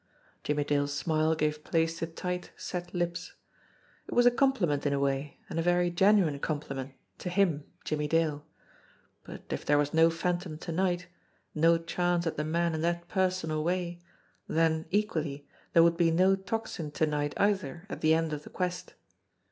Jimmie Dale's smile gave place to tight, set lips. It was a compliment in a way, and a very genuine compliment, to him, Jimmie Dale ; but if there was no Phan tom to night, no chance at the man in that personal way, then, equally, there would be no Tocsin to night either at the end of the quest!